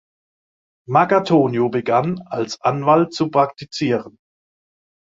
Marcatonio begann, als Anwalt zu praktizieren.